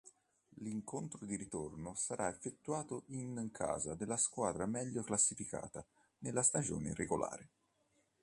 L’incontro di ritorno sarà effettuato in casa della squadra meglio classificata nella "stagione regolare".